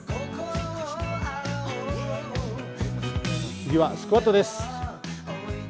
次はスクワットです。